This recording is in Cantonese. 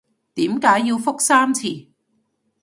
點解要覆三次？